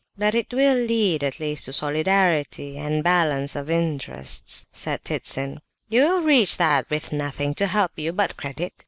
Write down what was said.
"But it will lead at least to solidarity, and balance of interests," said Ptitsin. "You will reach that with nothing to help you but credit?